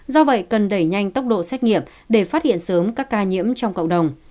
do vậy cần đẩy nhanh tốc độ xét nghiệm để phát hiện sớm các ca nhiễm trong cộng đồng